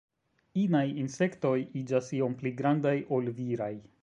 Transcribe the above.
Inaj insektoj iĝas iom pli grandaj ol viraj.